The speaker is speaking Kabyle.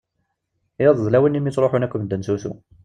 Iḍ, d lawan-nni mi ttruḥen akk medden s usu.